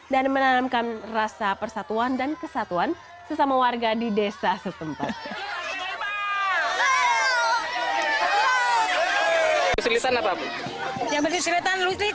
dan menanamkan rasa persatuan dan kesatuan sesama warga di desa setempat